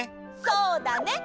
そうだね。